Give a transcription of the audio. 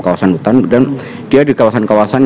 kawasan hutan dan dia di kawasan kawasan